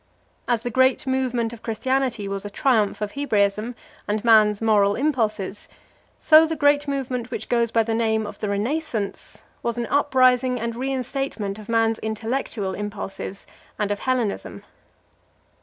As the great movement of Christianity was a triumph of Hebraism and man's moral impulses, so the great movement which goes by the name of the Renascence* was an uprising and re instatement of man's intellectual impulses and of Hellenism.